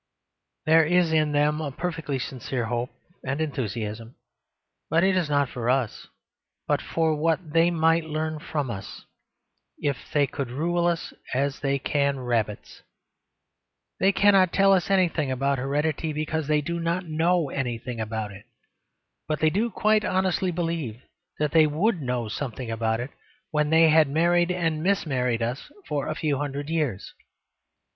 There is in them a perfectly sincere hope and enthusiasm; but it is not for us, but for what they might learn from us, if they could rule us as they can rabbits. They cannot tell us anything about heredity, because they do not know anything about it. But they do quite honestly believe that they would know something about it, when they had married and mismarried us for a few hundred years.